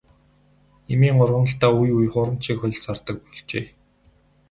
Эмийн ургамалдаа үе үе хуурамчийг хольж зардаг болжээ.